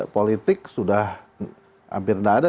politik sudah hampir tidak ada